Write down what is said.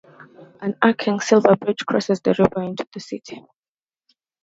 An arching silver bridge crosses the river into the city.